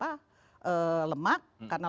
karena lemaknya juga lemak